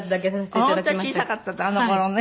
本当小さかったあの頃ね。